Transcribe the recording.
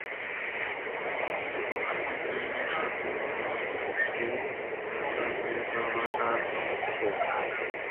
He often mentioned that his demons were named "Heartbreaker", "Nervewrecker", and "Meansucker".